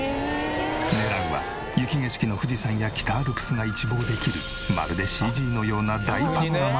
狙うは雪景色の富士山や北アルプスが一望できるまるでＣＧのような大パノラマの絶景。